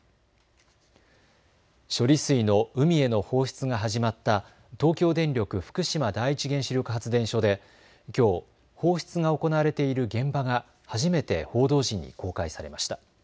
処理水の海への放出が始まった東京電力福島第一原子力発電所できょう放出が行われている現場が初めて報道陣に公開されました。